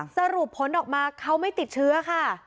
สรุปผลออกมาเขาไม่ติดเชื้อค่ะ